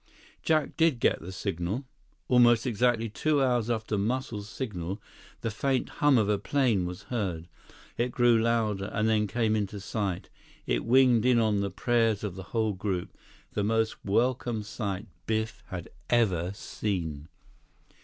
Jack did get the signal. Almost exactly two hours after Muscles' signal, the faint hum of a plane was heard. It grew louder, and then came into sight. It winged in on the prayers of the whole group, the most welcome sight Biff had ever seen.